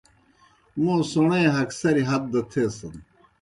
موں سوݨے ہگسریْ ہت دہ تھیسِن۔